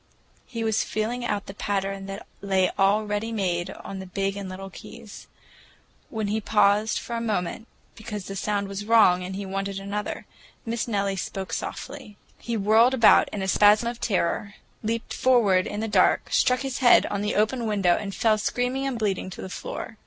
He was feeling out the pattern that lay all ready made on the big and little keys. When he paused for a moment, because the sound was wrong and he wanted another, Miss Nellie spoke softly. He whirled about in a spasm of terror, leaped forward in the dark, struck his head on the open window, and fell screaming and bleeding to the floor.